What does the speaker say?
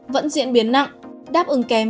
vẫn diễn biến nặng đáp ứng kém